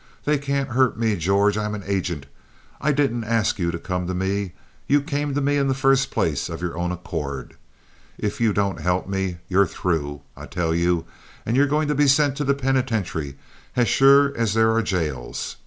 They can't hurt me, George. I'm an agent. I didn't ask you to come to me. You came to me in the first place of your own accord. If you don't help me, you're through, I tell you, and you're going to be sent to the penitentiary as sure as there are jails.